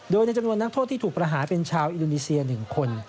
โดยในจำนวนนักโทษที่ถูกประหารเป็นชาวอินโดนีเซีย๑คน